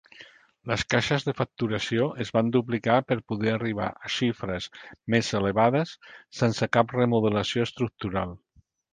Les caixes de facturació es van duplicar per poder arribar a xifres més elevades sense cap remodelació estructural.